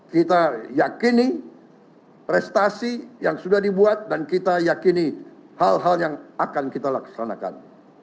kita yakini prestasi yang sudah dibuat dan kita yakini hal hal yang akan kita laksanakan